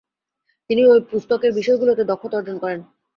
তিনি ঐ পুস্তকের বিষয়গুলোতে দক্ষতা অর্জন করেন।